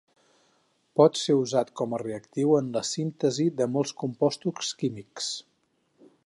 Pot ser usat com reactiu en la síntesi de molts compostos químics.